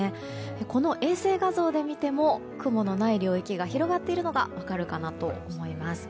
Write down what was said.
この衛星画像で見ても雲のない領域が広まっているのが分かるかなと思います。